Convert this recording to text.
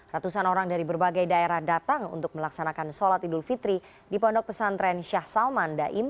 ratusan orang dari berbagai daerah datang untuk melaksanakan sholat idul fitri di pondok pesantren syah salman daim